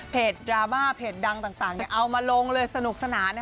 ดราม่าเพจดังต่างเอามาลงเลยสนุกสนาน